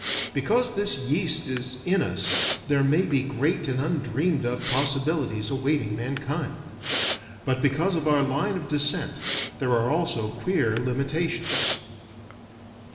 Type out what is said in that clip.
Because this yeast is in us there may be great and undreamed of possibilities awaiting mankind; but because of our line of descent there are also queer limitations.